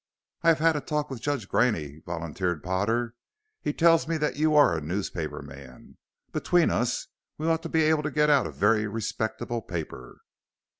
"I have had a talk with Judge Graney," volunteered Potter. "He tells me that you are a newspaper man. Between us we ought to be able to get out a very respectable paper."